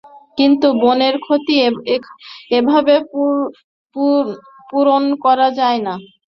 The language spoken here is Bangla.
কিন্তু বনের ক্ষতি এভাবে পূরণ করা যায় না।